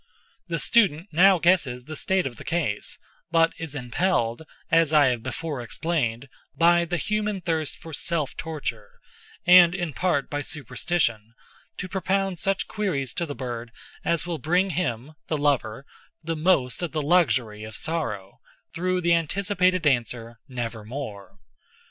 The student now guesses the state of the case, but is impelled, as I have before explained, by the human thirst for self torture, and in part by superstition, to propound such queries to the bird as will bring him, the lover, the most of the luxury of sorrow, through the anticipated answer "Nevermore."